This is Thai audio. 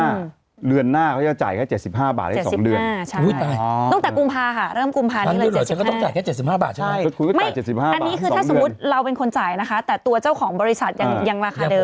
อันนี้คือถ้าสมมุติเราเป็นคนจ่ายนะคะแต่ตัวเจ้าของบริษัทยังราคาเดิม